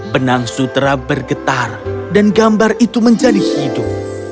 benang sutera bergetar dan gambar itu menjadi hidup